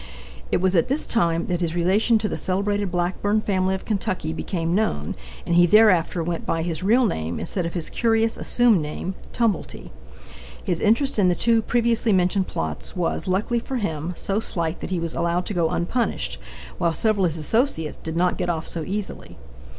It was at this time that his relation to the celebrated Blackburn family of Kentucky became known, and he thereafter went by his real name instead of his curious assumed name, Tumblety. His interest in the two previously mentioned plots was, luckily for him, so slight that he was allowed to go unpunished, while several of his associates did not get off so easily.